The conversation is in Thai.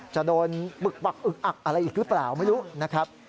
จะโดนปึกปักอึกอักอะไรอีกหรือเปล่าไม่รู้นะครับ